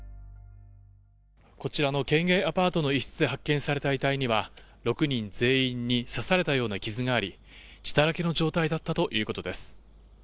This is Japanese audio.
こちらの県営アパートの一室で発見された遺体には、６人全員に刺されたような傷があり、血だらけの状態だったということです。